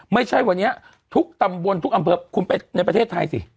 ไม่ใช่วันนี้ทุกตำบลทุกอำเภอคุณไปในประเทศไทยสิ